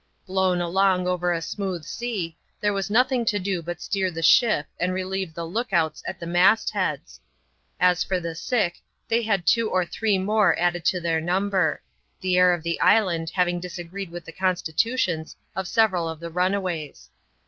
Blown along over a smooth sea, there was nothing to do but steer the ship, and relieve the " lookouts " at the mast heads. As for the sick, they had two or three more added to their number — the air of the island having disagreed with the constitutions of several of the runa* ways.